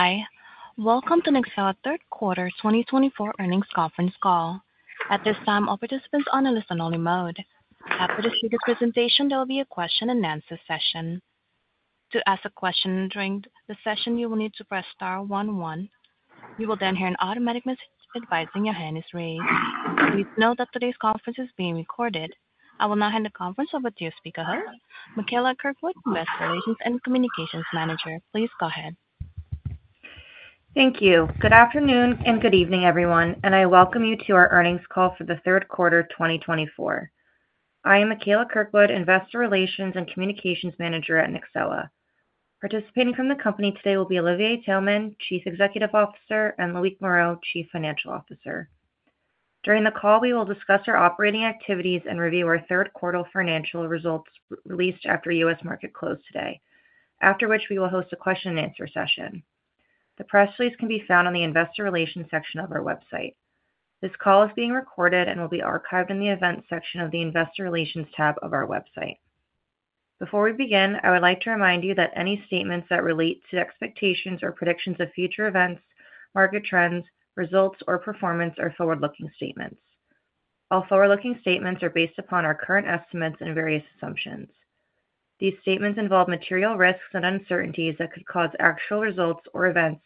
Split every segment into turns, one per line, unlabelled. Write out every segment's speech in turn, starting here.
Hi. Welcome to Nyxoah's third quarter 2024 earnings conference call. At this time, all participants are on a listen-only mode. After this presentation, there will be a question-and-answer session. To ask a question during the session, you will need to press star one one. You will then hear an automatic message advising your hand is raised. Please note that today's conference is being recorded. I will now hand the conference over to your speaker host, Mikaela Kirkwood, Investor Relations and Communications Manager. Please go ahead.
Thank you. Good afternoon and good evening, everyone, and I welcome you to our earnings call for the third quarter 2024. I am Mikaela Kirkwood, Investor Relations and Communications Manager at Nyxoah. Participating from the company today will be Olivier Taelman, Chief Executive Officer, and Loic Moreau, Chief Financial Officer. During the call, we will discuss our operating activities and review our third quarter financial results released after U.S. market close today, after which we will host a question-and-answer session. The press release can be found on the Investor Relations section of our website. This call is being recorded and will be archived in the events section of the Investor Relations tab of our website. Before we begin, I would like to remind you that any statements that relate to expectations or predictions of future events, market trends, results, or performance are forward-looking statements. All forward-looking statements are based upon our current estimates and various assumptions. These statements involve material risks and uncertainties that could cause actual results or events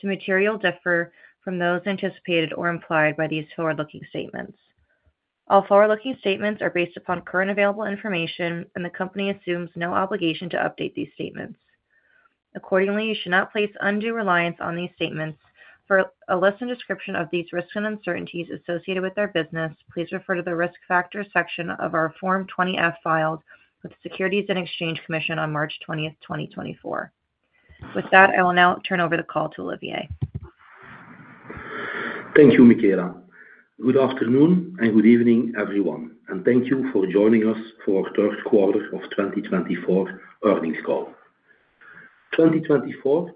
to materially differ from those anticipated or implied by these forward-looking statements. All forward-looking statements are based upon currently available information, and the company assumes no obligation to update these statements. Accordingly, you should not place undue reliance on these statements. For a list and description of these risks and uncertainties associated with our business, please refer to the risk factor section of our Form 20-F filed with the Securities and Exchange Commission on March 20, 2024. With that, I will now turn over the call to Olivier.
Thank you, Mikaela. Good afternoon and good evening, everyone, and thank you for joining us for our third quarter of 2024 earnings call. 2024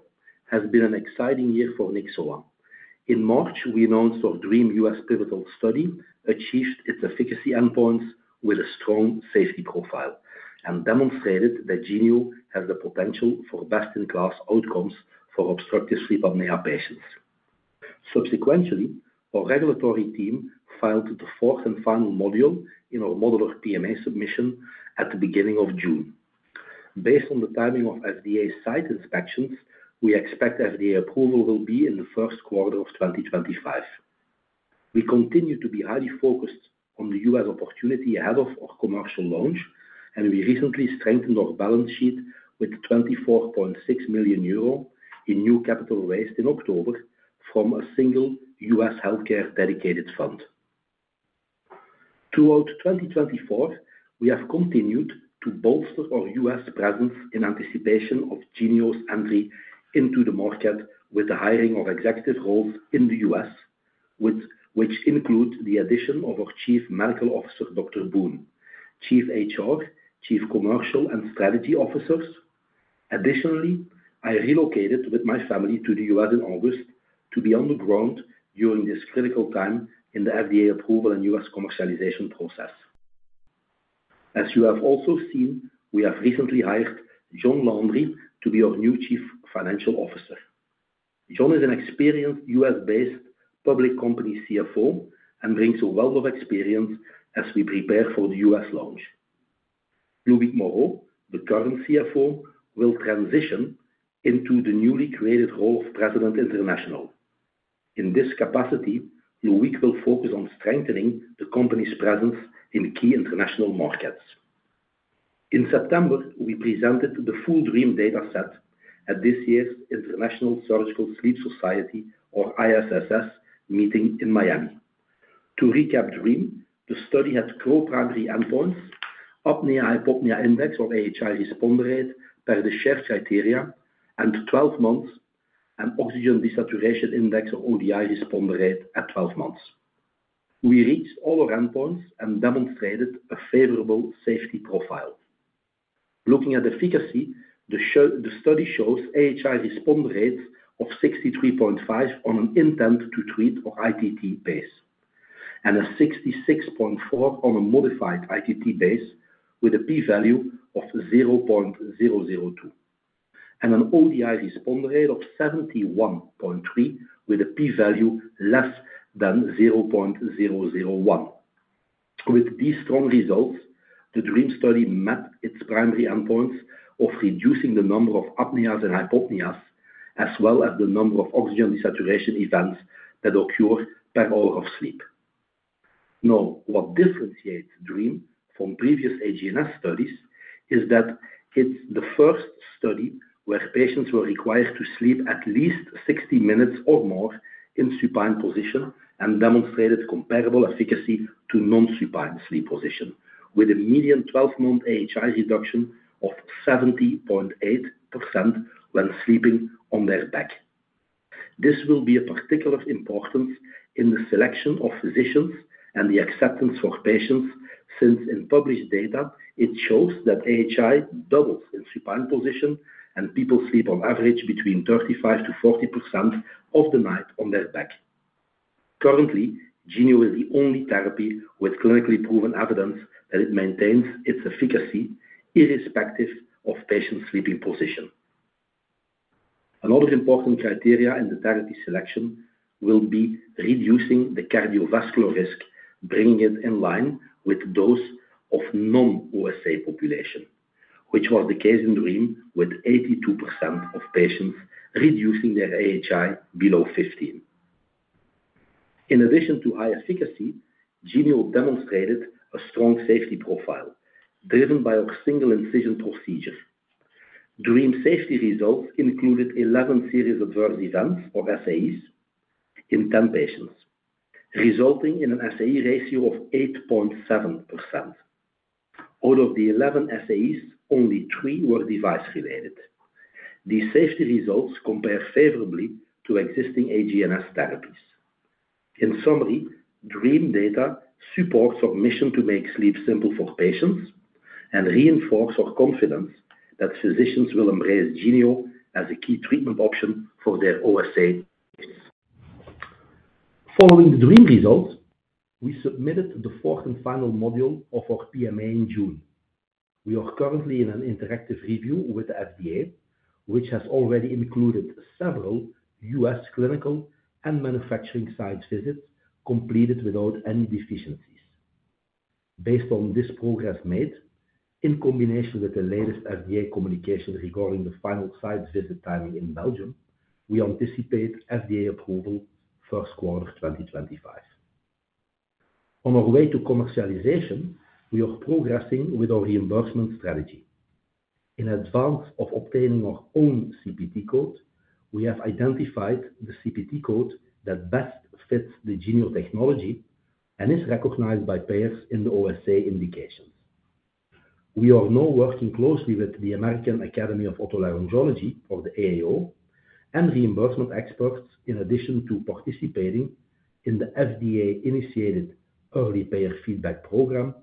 has been an exciting year for Nyxoah. In March, we announced our DREAM U.S. pivotal study achieved its efficacy endpoints with a strong safety profile and demonstrated that Genio has the potential for best-in-class outcomes for obstructive sleep apnea patients. Subsequently, our regulatory team filed the fourth and final module in our modular PMA submission at the beginning of June. Based on the timing of FDA site inspections, we expect FDA approval will be in the first quarter of 2025. We continue to be highly focused on the U.S. opportunity ahead of our commercial launch, and we recently strengthened our balance sheet with €24.6 million in new capital raised in October from a single U.S. healthcare dedicated fund. Throughout 2024, we have continued to bolster our U.S. presence in anticipation of Genio's entry into the market with the hiring of executive roles in the U.S., which include the addition of our Chief Medical Officer, Dr. Boon, Chief HR, Chief Commercial and Strategy Officers. Additionally, I relocated with my family to the U.S. in August to be on the ground during this critical time in the FDA approval and U.S. commercialization process. As you have also seen, we have recently hired John Landry to be our new Chief Financial Officer. John is an experienced U.S.-based public company CFO and brings a wealth of experience as we prepare for the U.S. launch. Loic Moreau, the current CFO, will transition into the newly created role of President International. In this capacity, Loic will focus on strengthening the company's presence in key international markets. In September, we presented the full DREAM data set at this year's International Surgical Sleep Society, or ISSS, meeting in Miami. To recap DREAM, the study had core primary endpoints: apnea-hypopnea index, or AHI, responder rate per the Sher criteria, and 12 months, and oxygen desaturation index, or ODI, responder rate at 12 months. We reached all our endpoints and demonstrated a favorable safety profile. Looking at efficacy, the study shows AHI responder rates of 63.5 on an intent-to-treat, or ITT, basis, and a 66.4 on a modified ITT basis, with a P-value of 0.002, and an ODI responder rate of 71.3, with a P-value less than 0.001. With these strong results, the DREAM study met its primary endpoints of reducing the number of apneas and hypopneas, as well as the number of oxygen desaturation events that occur per hour of sleep. Now, what differentiates DREAM from previous HGNS studies is that it's the first study where patients were required to sleep at least 60 minutes or more in supine position and demonstrated comparable efficacy to non-supine sleep position, with a median 12-month AHI reduction of 70.8% when sleeping on their back. This will be of particular importance in the selection of physicians and the acceptance for patients, since in published data, it shows that AHI doubles in supine position, and people sleep on average between 35%-40% of the night on their back. Currently, Genio is the only therapy with clinically proven evidence that it maintains its efficacy irrespective of patient sleeping position. Another important criteria in the therapy selection will be reducing the cardiovascular risk, bringing it in line with those of non-OSA population, which was the case in DREAM, with 82% of patients reducing their AHI below 15. In addition to high efficacy, Genio demonstrated a strong safety profile driven by our single incision procedure. DREAM safety results included 11 serious adverse events, or SAEs, in 10 patients, resulting in an SAE ratio of 8.7%. Out of the 11 SAEs, only 3 were device-related. These safety results compare favorably to existing HGNS therapies. In summary, DREAM data supports our mission to make sleep simple for patients and reinforces our confidence that physicians will embrace Genio as a key treatment option for their OSA patients. Following the DREAM results, we submitted the fourth and final module of our PMA in June. We are currently in an interactive review with the FDA, which has already included several U.S. clinical and manufacturing site visits completed without any deficiencies. Based on this progress made, in combination with the latest FDA communication regarding the final site visit timing in Belgium, we anticipate FDA approval first quarter 2025. On our way to commercialization, we are progressing with our reimbursement strategy. In advance of obtaining our own CPT code, we have identified the CPT code that best fits the Genio technology and is recognized by payers in the OSA indications. We are now working closely with the American Academy of Otolaryngology, or the AAO, and reimbursement experts, in addition to participating in the FDA-initiated Early Payor Feedback program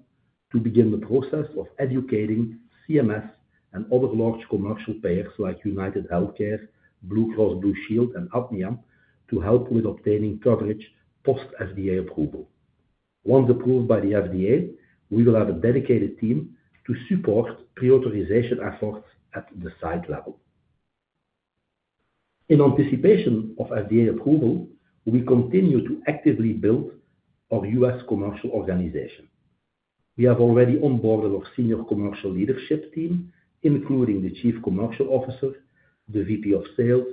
to begin the process of educating CMS and other large commercial payers like UnitedHealthcare, Blue Cross Blue Shield, and Aetna to help with obtaining coverage post-FDA approval. Once approved by the FDA, we will have a dedicated team to support pre-authorization efforts at the site level. In anticipation of FDA approval, we continue to actively build our U.S. commercial organization. We have already onboarded our senior commercial leadership team, including the Chief Commercial Officer, the VP of Sales,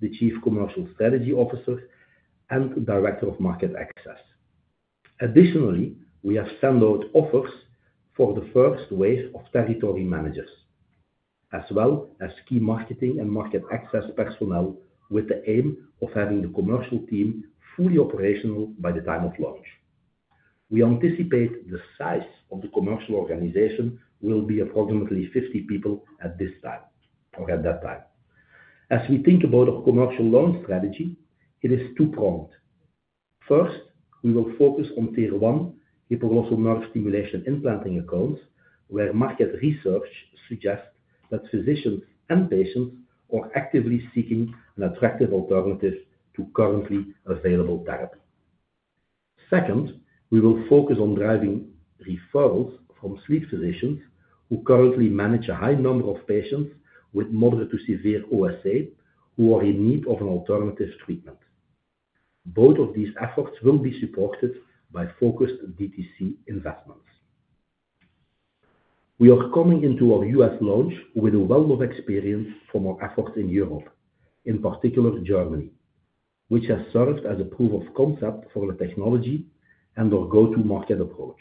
the Chief Commercial Strategy Officer, and the Director of Market Access. Additionally, we have sent out offers for the first wave of territory managers, as well as key marketing and market access personnel, with the aim of having the commercial team fully operational by the time of launch. We anticipate the size of the commercial organization will be approximately 50 people at this time or at that time. As we think about our commercial launch strategy, it is two-pronged. First, we will focus on tier one hypoglossal nerve stimulation implanting accounts, where market research suggests that physicians and patients are actively seeking an attractive alternative to currently available therapy. Second, we will focus on driving referrals from sleep physicians who currently manage a high number of patients with moderate to severe OSA who are in need of an alternative treatment. Both of these efforts will be supported by focused DTC investments. We are coming into our U.S. launch with a wealth of experience from our efforts in Europe, in particular Germany, which has served as a proof of concept for the technology and our go-to-market approach.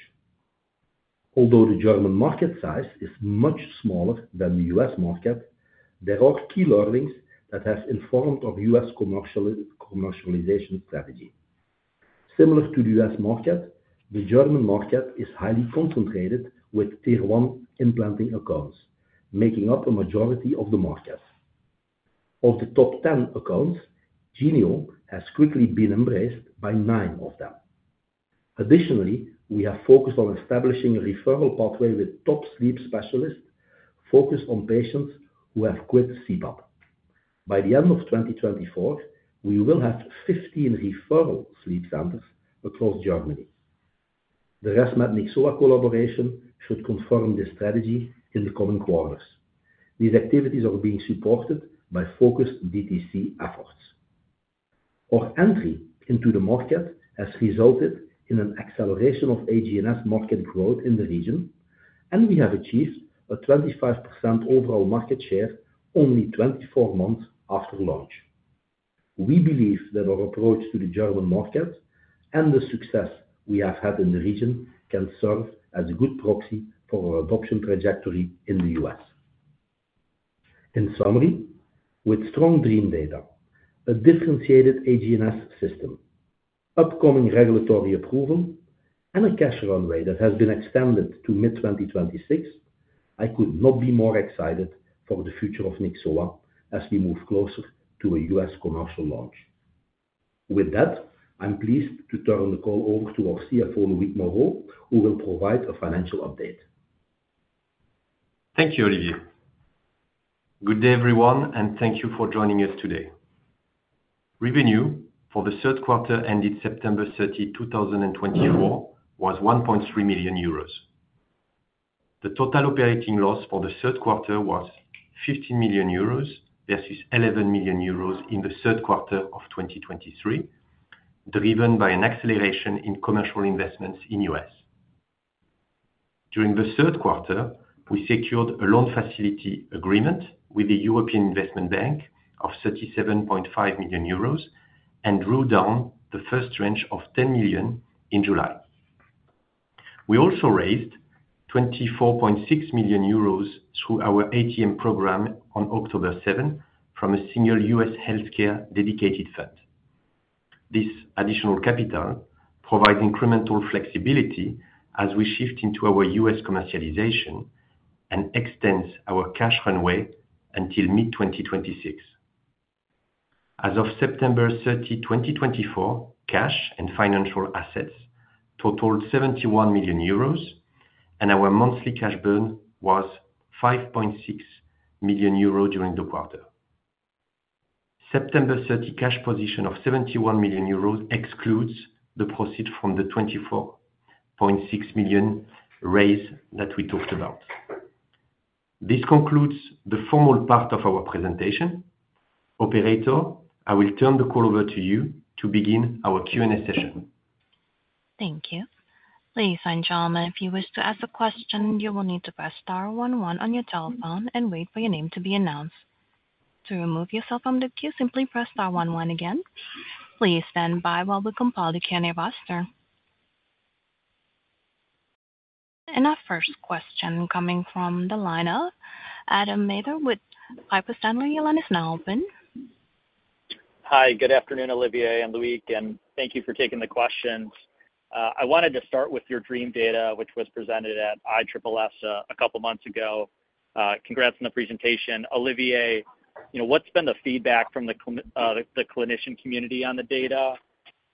Although the German market size is much smaller than the U.S. market, there are key learnings that have informed our U.S. commercialization strategy. Similar to the U.S. market, the German market is highly concentrated with tier one implanting accounts, making up a majority of the market. Of the top 10 accounts, Nyxoah has quickly been embraced by nine of them. Additionally, we have focused on establishing a referral pathway with top sleep specialists focused on patients who have quit CPAP. By the end of 2024, we will have 15 referral sleep centers across Germany. The results of the Nyxoah collaboration should confirm this strategy in the coming quarters. These activities are being supported by focused DTC efforts. Our entry into the market has resulted in an acceleration of HGNS market growth in the region, and we have achieved a 25% overall market share only 24 months after launch. We believe that our approach to the German market and the success we have had in the region can serve as a good proxy for our adoption trajectory in the U.S. In summary, with strong DREAM data, a differentiated HGNS system, upcoming regulatory approval, and a cash runway that has been extended to mid-2026, I could not be more excited for the future of Nyxoah as we move closer to a U.S. commercial launch. With that, I'm pleased to turn the call over to our CFO, Loic Moreau, who will provide a financial update.
Thank you, Olivier. Good day, everyone, and thank you for joining us today. Revenue for the third quarter ended September 30, 2024, was €1.3 million. The total operating loss for the third quarter was €15 million versus €11 million in the third quarter of 2023, driven by an acceleration in commercial investments in the U.S. During the third quarter, we secured a loan facility agreement with the European Investment Bank of €37.5 million and drew down the first tranche of €10 million in July. We also raised €24.6 million through our ATM program on October 7 from a senior U.S. healthcare dedicated fund. This additional capital provides incremental flexibility as we shift into our U.S. commercialization and extends our cash runway until mid-2026. As of September 30, 2024, cash and financial assets totaled €71 million, and our monthly cash burn was €5.6 million during the quarter. September 30 cash position of €71 million excludes the proceeds from the €24.6 million raise that we talked about. This concludes the formal part of our presentation. Operator, I will turn the call over to you to begin our Q&A session.
Thank you. Please sign, John, and if you wish to ask a question, you will need to press star 11 on your telephone and wait for your name to be announced. To remove yourself from the queue, simply press star 11 again. Please stand by while we compile the Q&A roster, and our first question coming from the lineup, Adam Maeder with Piper Sandler, is now open.
Hi, good afternoon, Olivier and Loic, and thank you for taking the questions. I wanted to start with your DREAM data, which was presented at ISSS a couple of months ago. Congrats on the presentation. Olivier, what's been the feedback from the clinician community on the data,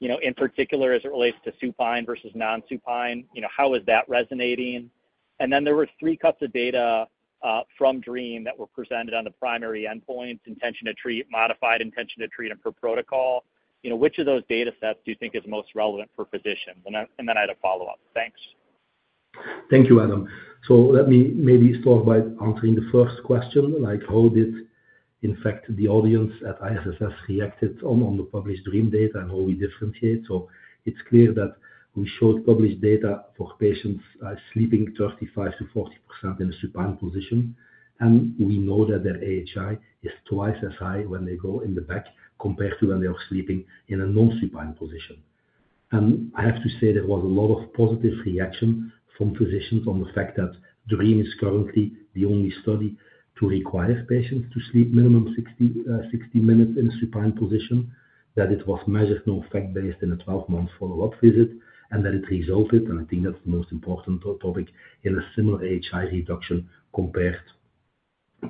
in particular as it relates to supine versus non-supine? How is that resonating? And then there were three cuts of data from DREAM that were presented on the primary endpoints, intent-to-treat, modified intent-to-treat, and per protocol. Which of those data sets do you think is most relevant for physicians? And then I had a follow-up. Thanks.
Thank you, Adam. So let me maybe start by answering the first question, like how did, in fact, the audience at ISSS react to the published DREAM data and how we differentiate. So it's clear that we showed published data for patients sleeping 35%-40% in a supine position, and we know that their AHI is twice as high when they go in the back compared to when they are sleeping in a non-supine position. And I have to say there was a lot of positive reaction from physicians on the fact that DREAM is currently the only study to require patients to sleep minimum 60 minutes in a supine position, that it was measured, no fact-based, in a 12-month follow-up visit, and that it resulted, and I think that's the most important topic, in a similar AHI reduction compared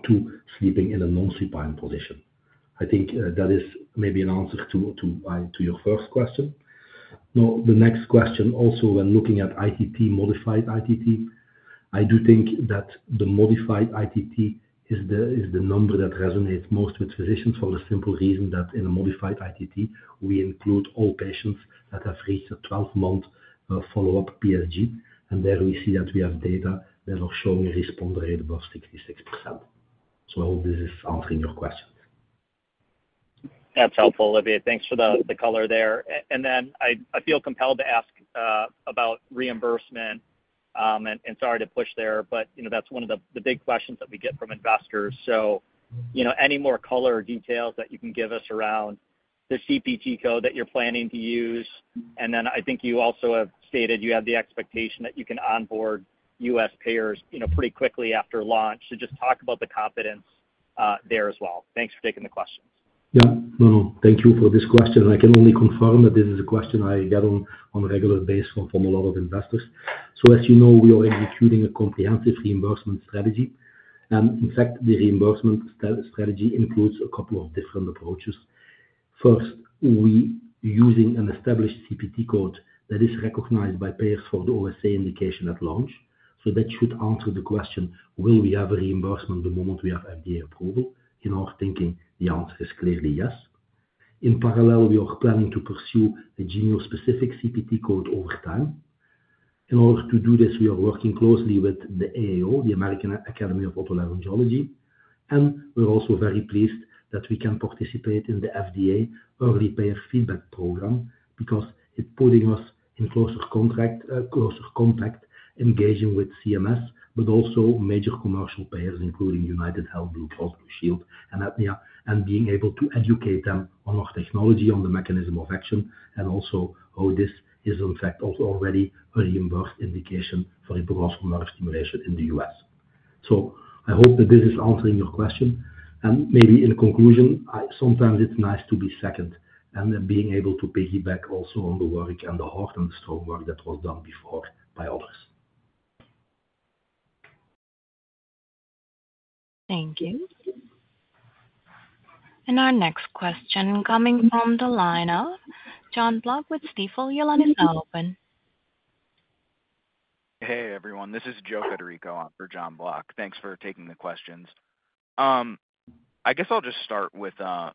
to sleeping in a non-supine position. I think that is maybe an answer to your first question. Now, the next question also, when looking at ITT, modified ITT, I do think that the modified ITT is the number that resonates most with physicians for the simple reason that in a modified ITT, we include all patients that have reached a 12-month follow-up PSG, and there we see that we have data that are showing a response rate above 66%. So I hope this is answering your questions.
That's helpful, Olivier. Thanks for the color there. And then I feel compelled to ask about reimbursement and sorry to push there, but that's one of the big questions that we get from investors. So any more color or details that you can give us around the CPT code that you're planning to use? And then I think you also have stated you have the expectation that you can onboard U.S. payers pretty quickly after launch. So just talk about the confidence there as well. Thanks for taking the questions.
Yeah, no, no, thank you for this question. I can only confirm that this is a question I get on a regular basis from a lot of investors. So as you know, we are executing a comprehensive reimbursement strategy. In fact, the reimbursement strategy includes a couple of different approaches. First, we are using an established CPT code that is recognized by payers for the OSA indication at launch. So that should answer the question, will we have a reimbursement the moment we have FDA approval? In our thinking, the answer is clearly yes. In parallel, we are planning to pursue a Genio-specific CPT code over time. In order to do this, we are working closely with the AAO, the American Academy of Otolaryngology, and we're also very pleased that we can participate in the FDA Early Payor Feedback program because it's putting us in closer contact, engaging with CMS, but also major commercial payers, including UnitedHealthcare, Blue Cross Blue Shield, and Aetna, and being able to educate them on our technology, on the mechanism of action, and also how this is, in fact, also already a reimbursed indication for hypoglossal nerve stimulation in the U.S. So I hope that this is answering your question. And maybe in conclusion, sometimes it's nice to be second and being able to piggyback also on the work and the hard and the strong work that was done before by others.
Thank you. And our next question coming from the lineup, Jon Block with Stifel. Our line is open.
Hey, everyone. This is Joe Federico for Jon Block. Thanks for taking the questions. I guess I'll just start with a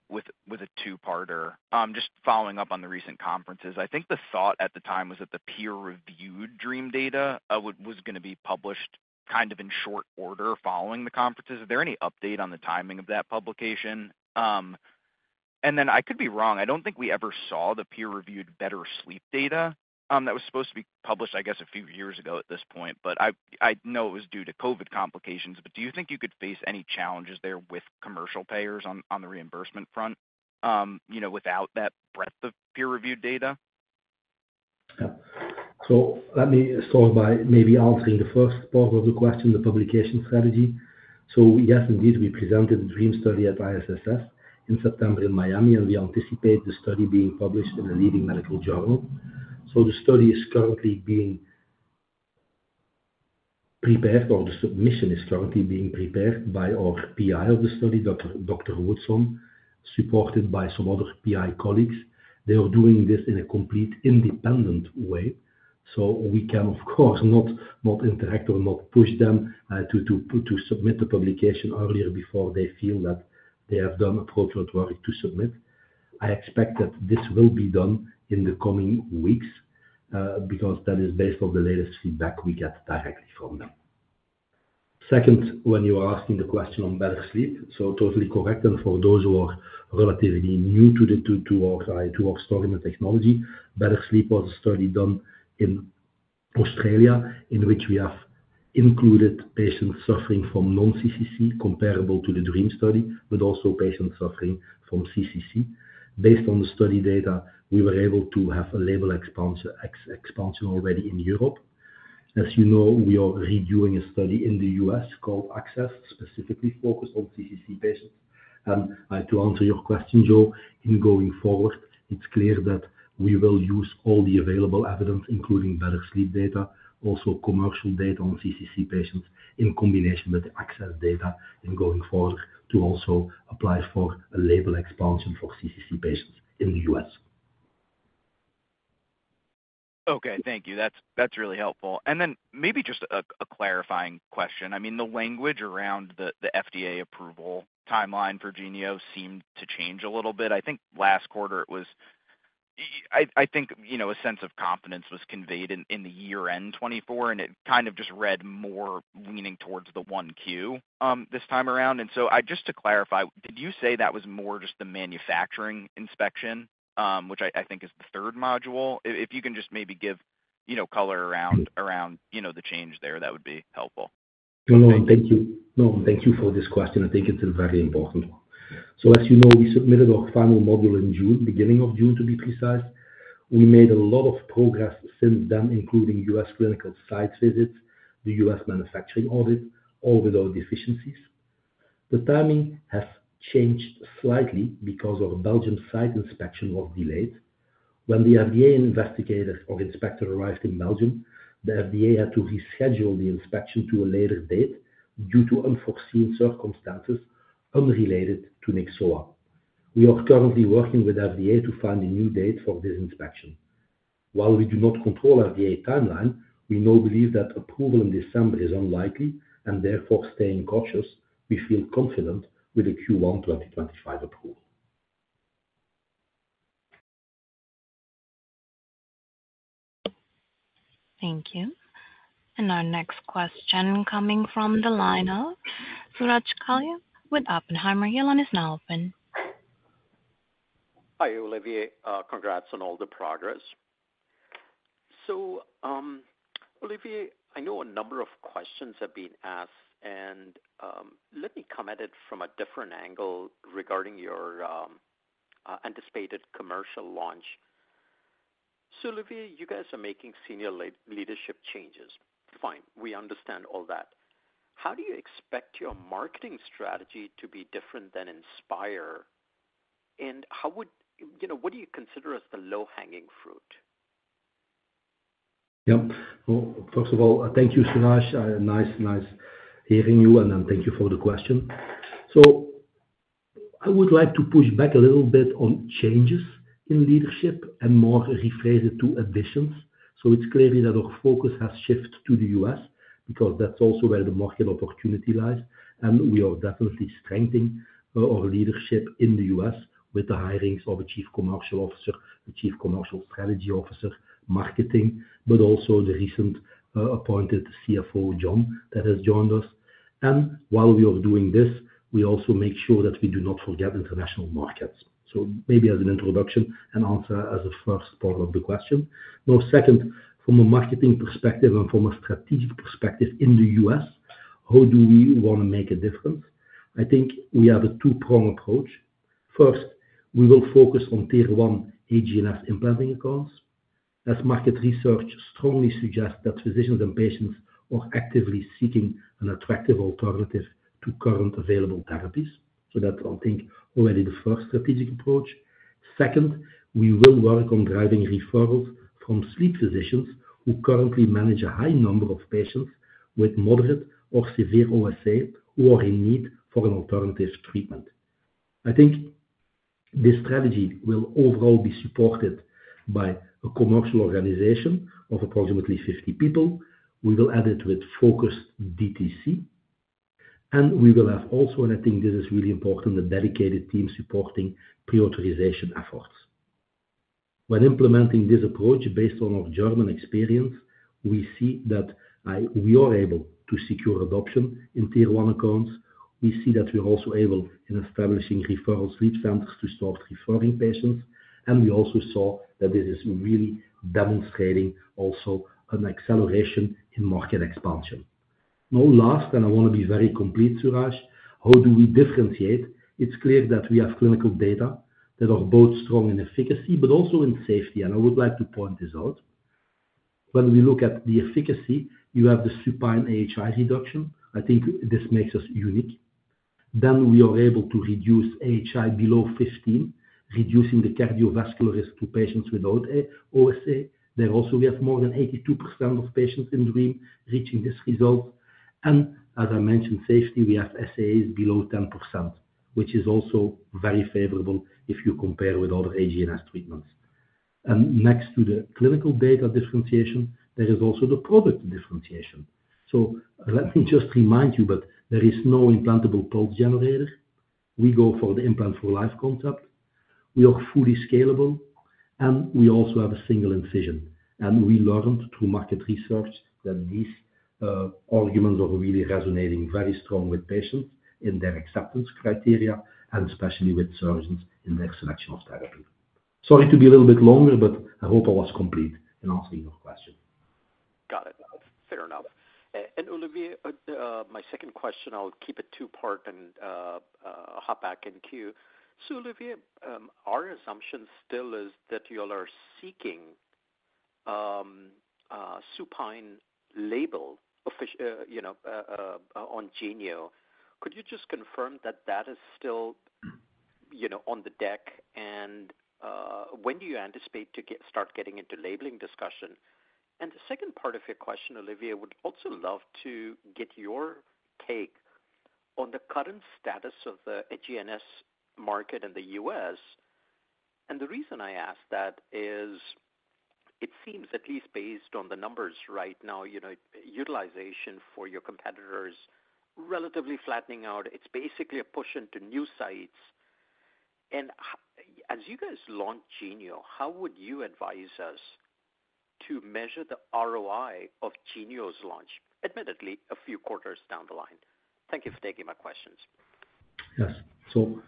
two-parter. Just following up on the recent conferences, I think the thought at the time was that the peer-reviewed DREAM data was going to be published kind of in short order following the conferences. Is there any update on the timing of that publication? And then I could be wrong. I don't think we ever saw the peer-reviewed Better Sleep data that was supposed to be published, I guess, a few years ago at this point, but I know it was due to COVID complications. But do you think you could face any challenges there with commercial payers on the reimbursement front without that breadth of peer-reviewed data?
Yeah. So let me start by maybe answering the first part of the question, the publication strategy. So yes, indeed, we presented the DREAM study at ISSS in September in Miami, and we anticipate the study being published in a leading medical journal. So the study is currently being prepared, or the submission is currently being prepared by our PI of the study, Dr. Woodson, supported by some other PI colleagues. They are doing this in a complete independent way. So we can, of course, not interact or not push them to submit the publication earlier before they feel that they have done appropriate work to submit. I expect that this will be done in the coming weeks because that is based on the latest feedback we get directly from them. Second, when you are asking the question on Better Sleep, so totally correct. And for those who are relatively new to our study and the technology, Better Sleep was a study done in Australia in which we have included patients suffering from non-CCC comparable to the DREAM study, but also patients suffering from CCC. Based on the study data, we were able to have a label expansion already in Europe. As you know, we are reviewing a study in the U.S. called ACCESS, specifically focused on CCC patients. And to answer your question, Joe, in going forward, it's clear that we will use all the available evidence, including Better Sleep data, also commercial data on CCC patients in combination with the ACCESS data in going forward to also apply for a label expansion for CCC patients in the U.S.
Okay, thank you. That's really helpful. And then maybe just a clarifying question. I mean, the language around the FDA approval timeline for Genio seemed to change a little bit. I think last quarter, I think a sense of confidence was conveyed in the year-end 2024, and it kind of just read more leaning towards the 1Q this time around. And so just to clarify, did you say that was more just the manufacturing inspection, which I think is the third module? If you can just maybe give color around the change there, that would be helpful.
No, thank you. No, thank you for this question. I think it's a very important one. So as you know, we submitted our final module in June, beginning of June, to be precise. We made a lot of progress since then, including U.S. clinical site visits, the U.S. manufacturing audit, all without deficiencies. The timing has changed slightly because our Belgian site inspection was delayed. When the FDA investigator or inspector arrived in Belgium, the FDA had to reschedule the inspection to a later date due to unforeseen circumstances unrelated to Nyxoah. We are currently working with FDA to find a new date for this inspection. While we do not control FDA timeline, we now believe that approval in December is unlikely, and therefore, staying cautious, we feel confident with a Q1 2025 approval.
Thank you. And our next question coming from the lineup. So, Suraj Kalia with Oppenheimer. Your line is open.
Hi, Olivier. Congrats on all the progress. Olivier, I know a number of questions have been asked, and let me come at it from a different angle regarding your anticipated commercial launch. Olivier, you guys are making senior leadership changes. Fine. We understand all that. How do you expect your marketing strategy to be different than Inspire, and what do you consider as the low-hanging fruit?
Yeah. Well, first of all, thank you, Suraj. Nice, nice hearing you, and thank you for the question. So I would like to push back a little bit on changes in leadership and more rephrase it to additions. So it's clear that our focus has shifted to the U.S. because that's also where the market opportunity lies. And we are definitely strengthening our leadership in the U.S. with the hirings of a Chief Commercial Officer, a Chief Commercial Strategy Officer, marketing, but also the recently appointed CFO, John, that has joined us. And while we are doing this, we also make sure that we do not forget international markets. So maybe as an introduction and answer as a first part of the question. Now, second, from a marketing perspective and from a strategic perspective in the U.S., how do we want to make a difference? I think we have a two-pronged approach. First, we will focus on tier one HGNS implanting accounts as market research strongly suggests that physicians and patients are actively seeking an attractive alternative to current available therapies. So that's, I think, already the first strategic approach. Second, we will work on driving referrals from sleep physicians who currently manage a high number of patients with moderate or severe OSA who are in need for an alternative treatment. I think this strategy will overall be supported by a commercial organization of approximately 50 people. We will add it with focused DTC. And we will have also, and I think this is really important, a dedicated team supporting pre-authorization efforts. When implementing this approach based on our German experience, we see that we are able to secure adoption in tier one accounts. We see that we're also able in establishing referral sleep centers to start referring patients, and we also saw that this is really demonstrating also an acceleration in market expansion. Now, last, and I want to be very complete, Suraj, how do we differentiate? It's clear that we have clinical data that are both strong in efficacy, but also in safety, and I would like to point this out. When we look at the efficacy, you have the supine AHI reduction. I think this makes us unique. Then we are able to reduce AHI below 15, reducing the cardiovascular risk to patients without OSA. There also, we have more than 82% of patients in DREAM reaching this result, and as I mentioned, safety, we have SAEs below 10%, which is also very favorable if you compare with other HGNS treatments. And next to the clinical data differentiation, there is also the product differentiation. So let me just remind you, but there is no implantable pulse generator. We go for the implant-for-life concept. We are fully scalable, and we also have a single incision. And we learned through market research that these arguments are really resonating very strong with patients in their acceptance criteria, and especially with surgeons in their selection of therapy. Sorry to be a little bit longer, but I hope I was complete in answering your question.
Got it. Fair enough. And Olivier, my second question, I'll keep it two-part and hop back in queue. So Olivier, our assumption still is that you all are seeking supine label on Genio. Could you just confirm that that is still on the deck? And when do you anticipate to start getting into labeling discussion? And the second part of your question, Olivier, I would also love to get your take on the current status of the HGNS market in the U.S. And the reason I ask that is it seems, at least based on the numbers right now, utilization for your competitors is relatively flattening out. It's basically a push into new sites. And as you guys launch Genio, how would you advise us to measure the ROI of Genio's launch, admittedly a few quarters down the line? Thank you for taking my questions.
Yes. So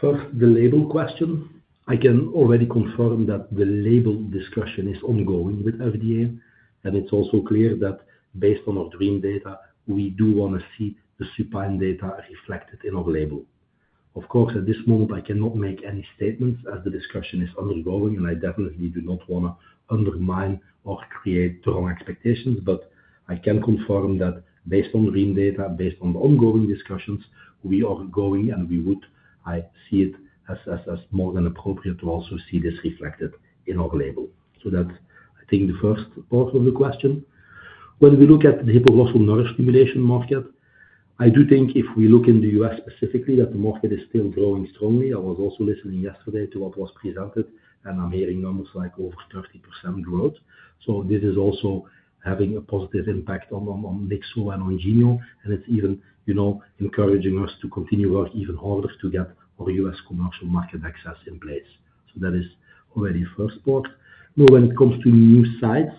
first, the label question. I can already confirm that the label discussion is ongoing with FDA. And it's also clear that based on our DREAM data, we do want to see the supine data reflected in our label. Of course, at this moment, I cannot make any statements as the discussion is undergoing, and I definitely do not want to undermine or create wrong expectations. But I can confirm that based on DREAM data, based on the ongoing discussions, we are going, and we would. I see it as more than appropriate to also see this reflected in our label. So that's, I think, the first part of the question. When we look at the hypoglossal nerve stimulation market, I do think if we look in the U.S. specifically, that the market is still growing strongly. I was also listening yesterday to what was presented, and I'm hearing numbers like over 30% growth, so this is also having a positive impact on Nyxoah and on Genio, and it's even encouraging us to continue working even harder to get our U.S. commercial market access in place, so that is already first part. Now, when it comes to new sites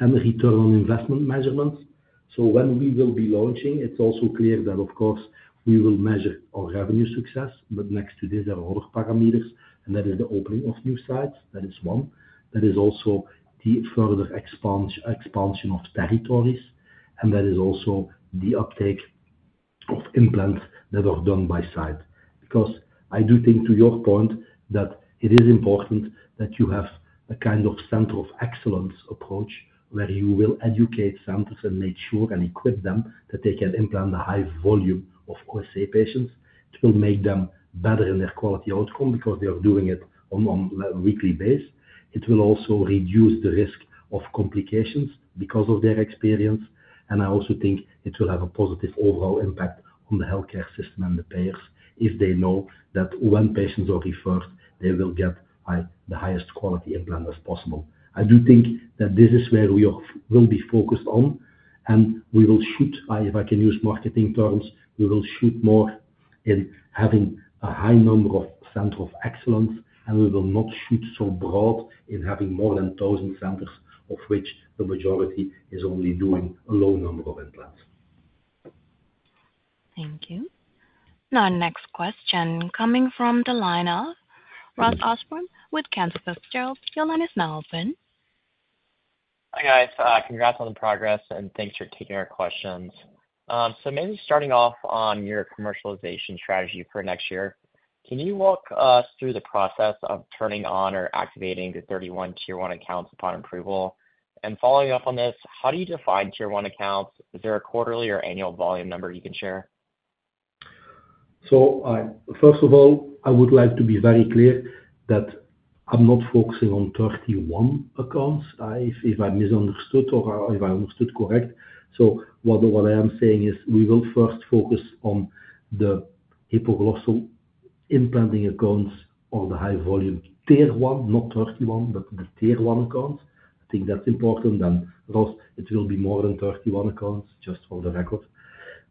and return on investment measurements, so when we will be launching, it's also clear that, of course, we will measure our revenue success, but next to this, there are other parameters, and that is the opening of new sites. That is one. That is also the further expansion of territories, and that is also the uptake of implants that are done by site. Because I do think, to your point, that it is important that you have a kind of center of excellence approach where you will educate centers and make sure and equip them that they can implant a high volume of OSA patients. It will make them better in their quality outcome because they are doing it on a weekly basis. It will also reduce the risk of complications because of their experience. And I also think it will have a positive overall impact on the healthcare system and the payers if they know that when patients are referred, they will get the highest quality implant as possible. I do think that this is where we will be focused on, and we will shoot, if I can use marketing terms, we will shoot more in having a high number of centers of excellence, and we will not shoot so broad in having more than 1,000 centers, of which the majority is only doing a low number of implants.
Thank you. Now, next question coming from the lineup, Ross Osborne with Cantor Fitzgerald. Your line is open.
Hi guys. Congrats on the progress, and thanks for taking our questions. So maybe starting off on your commercialization strategy for next year, can you walk us through the process of turning on or activating the 31 tier one accounts upon approval? And following up on this, how do you define tier one accounts? Is there a quarterly or annual volume number you can share?
So first of all, I would like to be very clear that I'm not focusing on 31 accounts, if I misunderstood or if I understood correct. So what I am saying is we will first focus on the hypoglossal implanting accounts or the high-volume tier one, not 31, but the tier one accounts. I think that's important. And Ross, it will be more than 31 accounts, just for the record.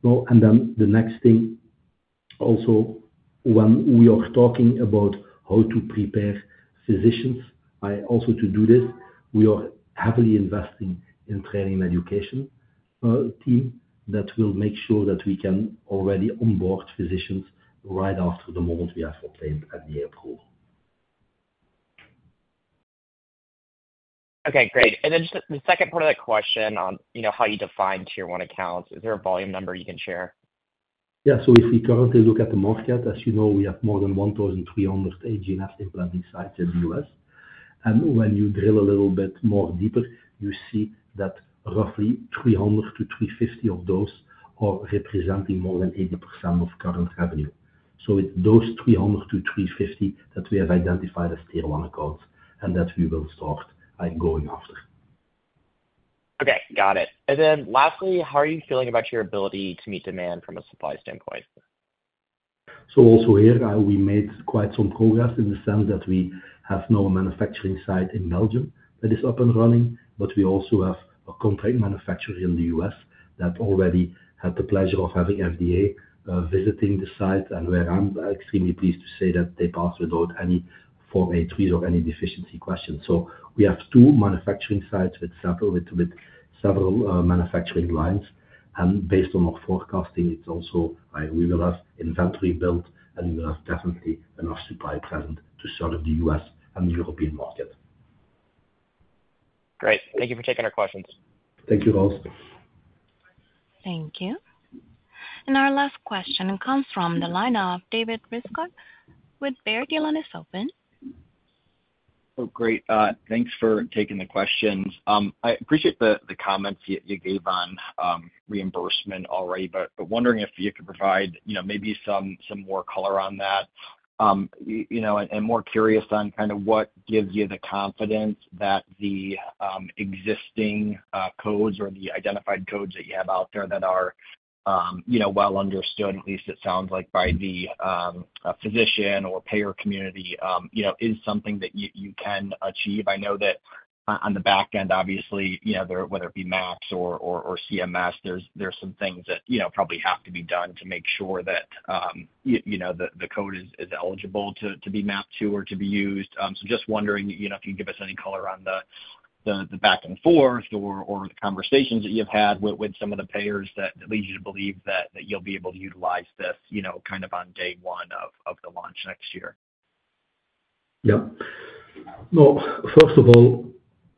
And then the next thing, also when we are talking about how to prepare physicians also to do this, we are heavily investing in training and education team that will make sure that we can already onboard physicians right after the moment we have obtained FDA approval.
Okay, great. And then just the second part of that question on how you define tier one accounts, is there a volume number you can share?
Yeah, so if we currently look at the market, as you know, we have more than 1,300 HGNS implanting sites in the U.S., and when you drill a little bit more deeper, you see that roughly 300 to 350 of those are representing more than 80% of current revenue, so it's those 300 to 350 that we have identified as tier one accounts and that we will start going after.
Okay. Got it. And then lastly, how are you feeling about your ability to meet demand from a supply standpoint?
So also here, we made quite some progress in the sense that we have now a manufacturing site in Belgium that is up and running, but we also have a contract manufacturer in the U.S. that already had the pleasure of having FDA visiting the site. And we are extremely pleased to say that they passed without any Form 483s or any deficiency questions. So we have two manufacturing sites with several manufacturing lines. And based on our forecasting, it's also we will have inventory built, and we will have definitely enough supply present to serve the U.S. and the European market.
Great. Thank you for taking our questions.
Thank you, Ross.
Thank you. And our last question comes from the lineup, David Rescott with Baird. Your line is open.
Oh, great. Thanks for taking the questions. I appreciate the comments you gave on reimbursement already, but wondering if you could provide maybe some more color on that and more curious on kind of what gives you the confidence that the existing codes or the identified codes that you have out there that are well understood, at least it sounds like, by the physician or payer community is something that you can achieve. I know that on the back end, obviously, whether it be mapping or CMS, there's some things that probably have to be done to make sure that the code is eligible to be mapped to or to be used. So just wondering if you can give us any color on the back and forth or the conversations that you've had with some of the payers that lead you to believe that you'll be able to utilize this kind of on day one of the launch next year?
Yeah, well, first of all,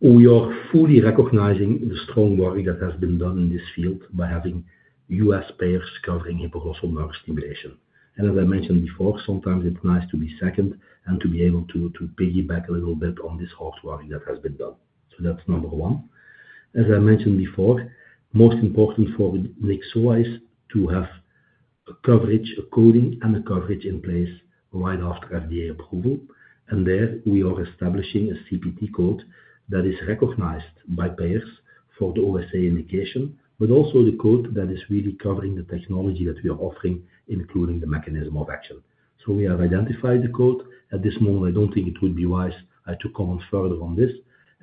we are fully recognizing the strong work that has been done in this field by having U.S. payers covering hypoglossal nerve stimulation, and as I mentioned before, sometimes it's nice to be second and to be able to piggyback a little bit on this hard work that has been done, so that's number one. As I mentioned before, most important for Nyxoah is to have a coverage, a coding, and a coverage in place right after FDA approval, and there we are establishing a CPT code that is recognized by payers for the OSA indication, but also the code that is really covering the technology that we are offering, including the mechanism of action, so we have identified the code. At this moment, I don't think it would be wise to comment further on this.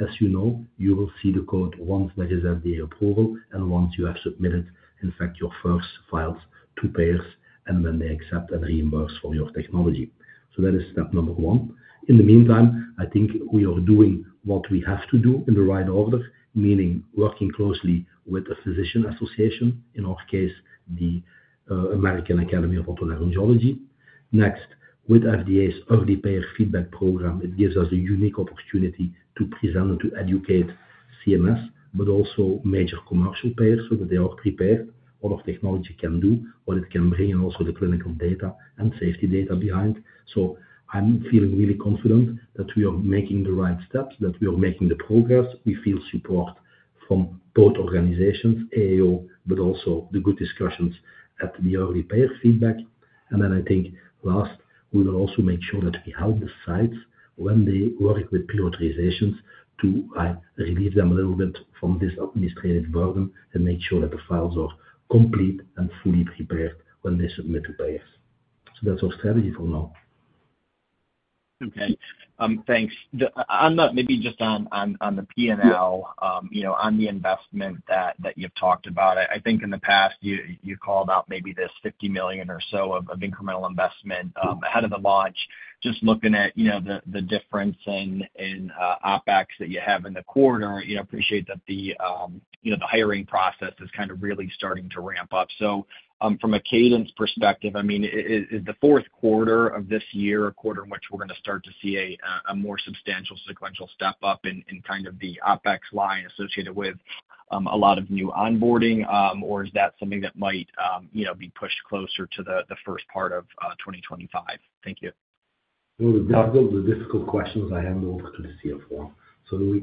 As you know, you will see the code once there is FDA approval and once you have submitted, in fact, your first files to payers, and then they accept and reimburse for your technology. So that is step number one. In the meantime, I think we are doing what we have to do in the right order, meaning working closely with the physician association, in our case, the American Academy of Otolaryngology. Next, with FDA's Early Payor Feedback program, it gives us a unique opportunity to present and to educate CMS, but also major commercial payers so that they are prepared on what our technology can do, what it can bring, and also the clinical data and safety data behind. So I'm feeling really confident that we are making the right steps, that we are making the progress. We feel support from both organizations, AAO, but also the good discussions at the Early Payor Feedback. And then I think last, we will also make sure that we help the sites when they work with prioritizations to relieve them a little bit from this administrative burden and make sure that the files are complete and fully prepared when they submit to payers. So that's our strategy for now.
Okay. Thanks. On that, maybe just on the P&L, on the investment that you've talked about, I think in the past, you called out maybe this 50 million or so of incremental investment ahead of the launch. Just looking at the difference in OpEx that you have in the quarter, I appreciate that the hiring process is kind of really starting to ramp up. So from a cadence perspective, I mean, is the fourth quarter of this year a quarter in which we're going to start to see a more substantial sequential step up in kind of the OpEx line associated with a lot of new onboarding, or is that something that might be pushed closer to the first part of 2025? Thank you.
Those are the difficult questions I have to the CFO, so we.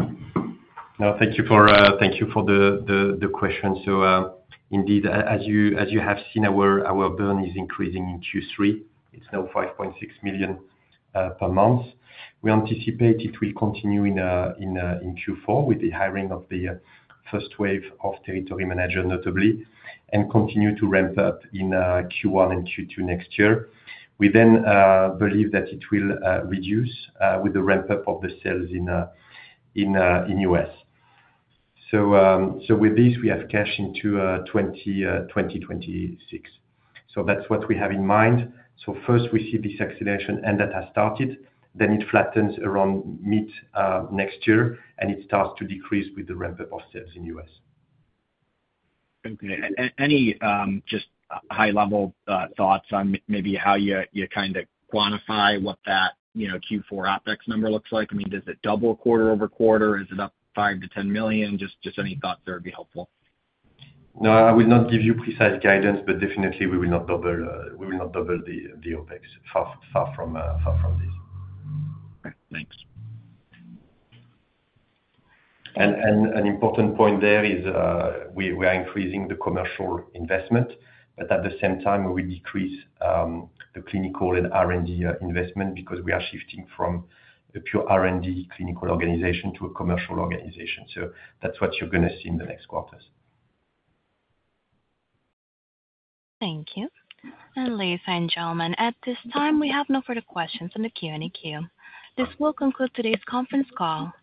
No, thank you for the question. So indeed, as you have seen, our burn is increasing in Q3. It's now 5.6 million per month. We anticipate it will continue in Q4 with the hiring of the first wave of territory manager, notably, and continue to ramp up in Q1 and Q2 next year. We then believe that it will reduce with the ramp-up of the sales in U.S. So with this, we have cash into 2026. So that's what we have in mind. So first, we see this acceleration and that has started. Then it flattens around mid next year, and it starts to decrease with the ramp-up of sales in U.S. Okay. And any just high-level thoughts on maybe how you kind of quantify what that Q4 OPEX number looks like? I mean, does it double quarter over quarter? Is it up 5-10 million?
Just any thoughts that would be helpful.
No, I will not give you precise guidance, but definitely, we will not double the OpEx far from this.
Okay. Thanks.
An important point there is we are increasing the commercial investment, but at the same time, we decrease the clinical and R&D investment because we are shifting from a pure R&D clinical organization to a commercial organization. So that's what you're going to see in the next quarters.
Thank you. And ladies and gentlemen, at this time, we have no further questions on the Q&A queue. This will conclude today's conference call.